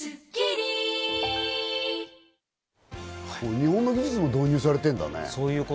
日本の技術が導入されているんだね。